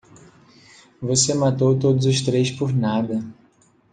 Você matou todos os três por nada.